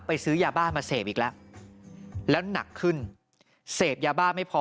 ซื้อยาบ้ามาเสพอีกแล้วแล้วหนักขึ้นเสพยาบ้าไม่พอ